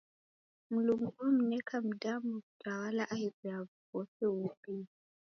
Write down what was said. Mlungu omneka mdamu w'utawala aighu ya vose uumbie.